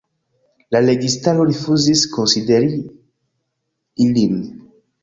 La registaro rifuzis konsideri ilin.